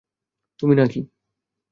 তুমি না কি?